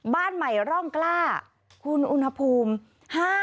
บ้านใหม่ร่องกล้าคุณอุณหภูมิ